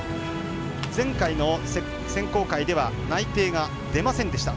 前回の選考会では内定が出ませんでした。